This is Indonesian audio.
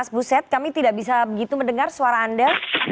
mas buset kami tidak bisa begitu mendengar suara anda